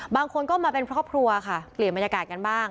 บางคนก็มาเป็นครอบครัวค่ะเปลี่ยนบรรยากาศกันบ้าง